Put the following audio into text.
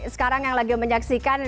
sekarang yang lagi menyaksikan